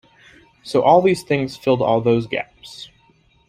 So all these things filled all those gaps.